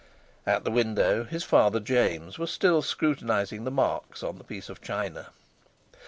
At the window his father, James, was still scrutinizing the marks on the piece of china.